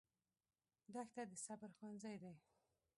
دښته د صبر ښوونځی دی.